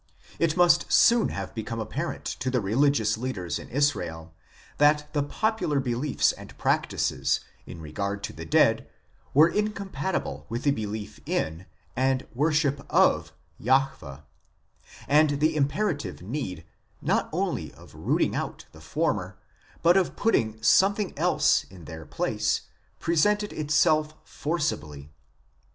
It must soon have become apparent to the religious leaders in Israel that the popular beliefs and practices in regard to the dead were incompatible with the belief in, and worship of, Jahwe ; and the imperative need not only of rooting out the former, but of putting something else in their place presented itself forcibly.